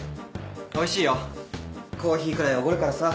おいしいよコーヒーくらいおごるからさ。